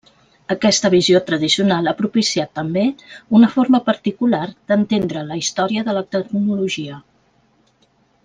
Aquesta visió tradicional ha propiciat, també, una forma particular d'entendre la història de la tecnologia.